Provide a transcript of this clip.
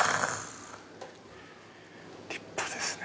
立派ですね。